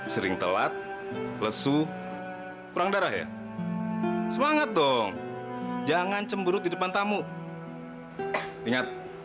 sampai jumpa di video selanjutnya